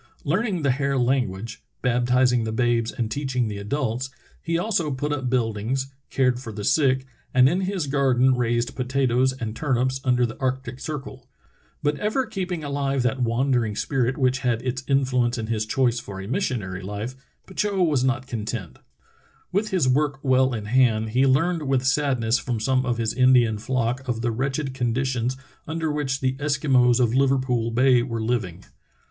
Learning the Hare language, baptizing the babes and teaching the adults, he also put up buildings, cared for the sick, and in his garden raised potatoes and turnips under the arctic circle. But ever keeping ahve that wandering spirit which had its influence in his choice for a missionary life, Petitot was not content. With his work well in hand he learned with sadness from some of his Indian flock of the wretched condi tions under which the Eskimos of Liverpool Bay were living.